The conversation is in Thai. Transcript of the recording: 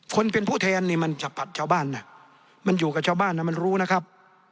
คนเป็นผู้แทนนี่มันฉับชาวบ้านนะมันอยู่กับชาวบ้านนะมันรู้นะครับ